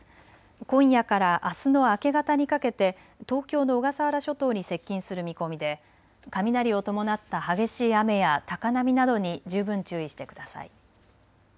今夜からあすの明け方にかけて東京の小笠原諸島に接近する見込みで雷を伴った激しい雨や高波などに十分注意してください。